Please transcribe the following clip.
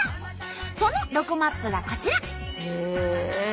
そのロコＭＡＰがこちら！